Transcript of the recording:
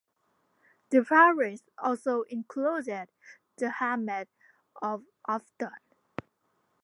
The parish also included the hamlet of Upton.